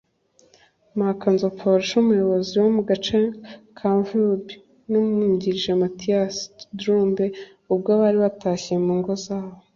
Marc Nzopfabarushe umuyobozi wo mu gace ka Gomvyi n’umwungirije Mathias Kidurumbe ubwo bari batashye mu ngo zabo